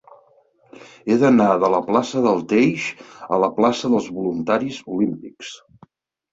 He d'anar de la plaça del Teix a la plaça dels Voluntaris Olímpics.